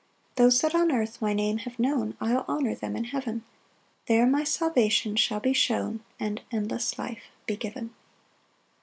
8 "Those that on earth my Name have known, "I'll honour them in heaven; "There my salvation shall be shown, "And endless life be given."